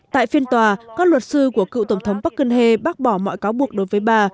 tại phiên tòa các luật sư của cựu tổng thống park geun hye bác bỏ mọi cáo buộc đối với bà